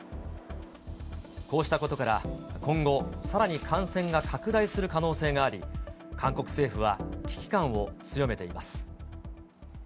こうしたことから今後、さらに感染が拡大する可能性があり、韓国政府は危機感を強めています。